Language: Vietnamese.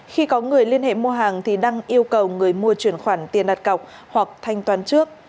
khi có người liên hệ mua hàng thì đăng yêu cầu người mua chuyển khoản tiền đặt cọc hoặc thanh toán trước